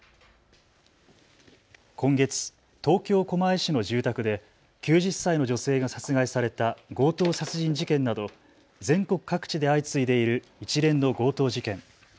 今月、東京狛江市の住宅で９０歳の女性が殺害された強盗殺人事件など全国各地で相次いでいる一連の強盗事件。